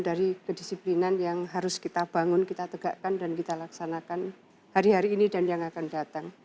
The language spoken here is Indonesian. dari kedisiplinan yang harus kita bangun kita tegakkan dan kita laksanakan hari hari ini dan yang akan datang